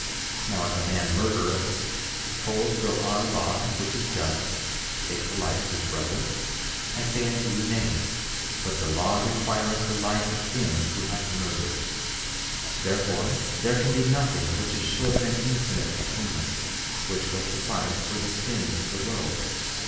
Now, if a man murdereth, behold will our law, which is just, take the life of his brother? I say unto you, Nay. 34:12 But the law requireth the life of him who hath murdered; therefore there can be nothing which is short of an infinite atonement which will suffice for the sins of the world.